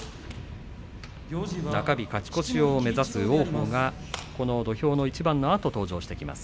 中日勝ち越しを目指す王鵬がこの土俵上の一番のあと登場してきます。